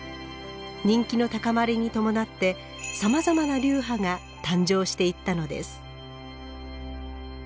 人気の高まりに伴ってさまざまな流派が誕生していったのです。